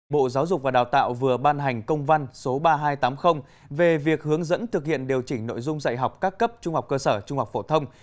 bộ giáo dục và đào tạo vừa ban hành công văn số ba nghìn hai trăm tám mươi về việc hướng dẫn thực hiện điều chỉnh nội dung dạy học các cấp trung học cơ sở trung học phổ thông